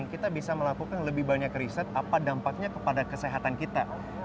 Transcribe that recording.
kita bisa melakukan lebih banyak riset apa dampaknya kepada kesehatan kita